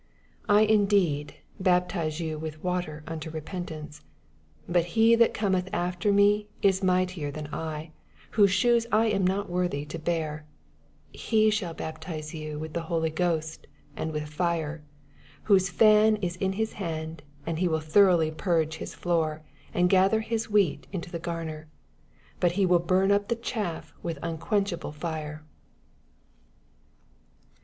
11 I indeed baptize von with water ante repentance : but he that cometh after me is mightier than I, whoat shoes I am not worthy to bear: he shall baptise yon with the Holy Ohostjand toUh lire : 12 Whose fan if in his hand, and he will throughly purge his floor, and gather his wheat into the ffjimer ; but e will bum up the duu with un« quenchable Are.